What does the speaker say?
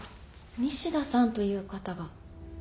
西田さんという方が。